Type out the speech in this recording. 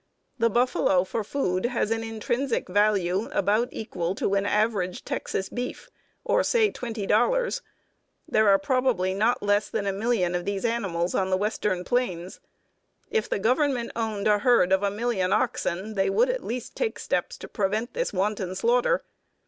The buffalo for food has an intrinsic value about equal to an average Texas beef, or say $20. There are probably not less than a million of these animals on the western plains. If the Government owned a herd of a million oxen they would at least take steps to prevent this wanton slaughter.